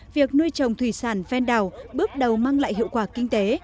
việc nuôi trồng thủy sản ven đảo bước đầu mang lại hiệu quả kinh tế